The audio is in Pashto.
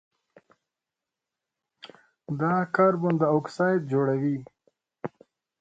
د کاربن ډای اکسایډ جوړوي.